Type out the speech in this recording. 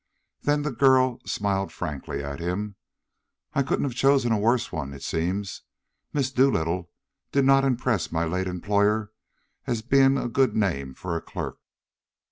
Then the girl smiled frankly at him. "I couldn't have chosen a worse one, it seems. Miss Dolittle did not impress my late employer as being a good name for a clerk."